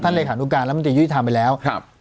ท่านเลขานุการณ์แล้วมันจะยุติธรรมไปแล้วครับ